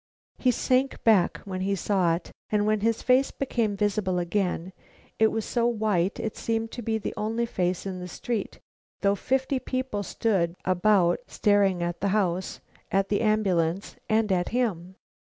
He sank back when he saw it, and when his face became visible again, it was so white it seemed to be the only face in the street, though fifty people stood about staring at the house, at the ambulance, and at him.